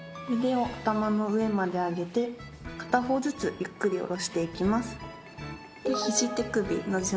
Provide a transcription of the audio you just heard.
腕を頭の上まで上げて片方ずつゆっくり下ろしていきます。